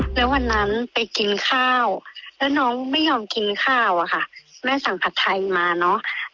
แล้ววันนั้นไปกินข้าวแล้วน้องไม่ยอมกินข้าวอะค่ะแม่สั่งผัดไทยมาเนอะ